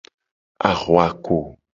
Ahuako.